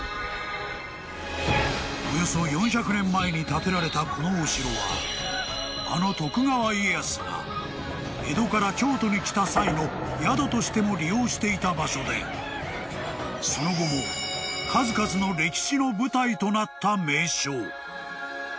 ［およそ４００年前に建てられたこのお城はあの徳川家康が江戸から京都に来た際の宿としても利用していた場所でその後も数々の歴史の舞台となった名所］